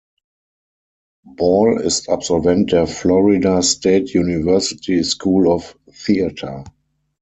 Ball ist Absolvent der Florida State University School of Theatre.